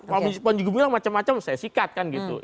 kalau pan juga bilang macam macam saya sikat kan gitu